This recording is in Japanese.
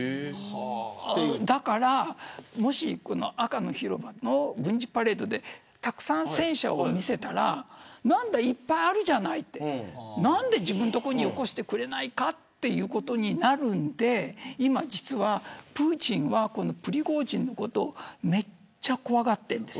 だから、もし赤の広場の軍事パレードでたくさん戦車を見せたら何だ、いっぱいあるじゃないと何で自分のところによこさないのかということになるのでプーチンはプリゴジンのことをめっちゃ怖がっているんです。